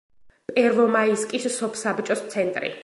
პერვომაისკის სოფსაბჭოს ცენტრი.